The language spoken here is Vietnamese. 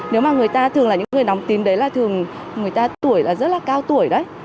nếu mà người ta thường là những người nóng tím đấy là thường người ta tuổi là rất là cao tuổi đấy